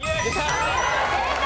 正解。